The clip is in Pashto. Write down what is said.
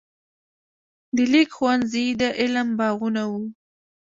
د لیک ښوونځي د علم باغونه وو.